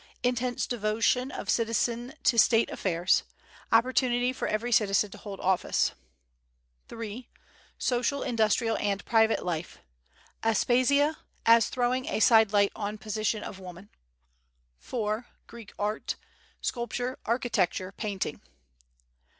Intense devotion of citizen to state affairs. Opportunity for every citizen to hold office. 3. Social, industrial and private life. Aspasia, as throwing a side light on position of woman. 4. Greek art sculpture, architecture, painting.